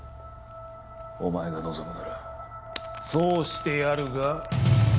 お前が望むならそうしてやるが？